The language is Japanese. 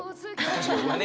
確かにね。